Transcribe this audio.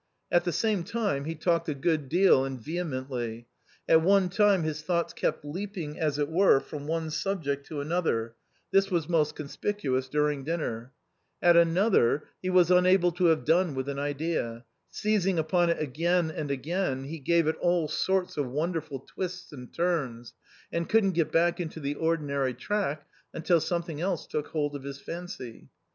At the same time he talked a good deal and vehemently; at one time his thoughts kept leaping, as it were, from one subject to another (this was most conspicuous during dinner) ; at another, he was unable to have done with an idea ; seizing upon it again and again, he gave it all sorts of wonderful twists and turns, and couldn't get back into the ordinary track until something else took hold of his fancy.